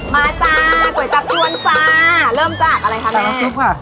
มาจ้ากวยจับยวนจ้าเริ่มจากอะไรค่ะแม่น้ำซุปค่ะ